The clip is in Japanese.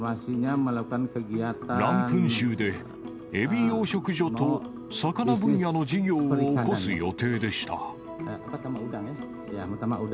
ランプン州で、エビ養殖所と魚分野の事業を起こす予定でした。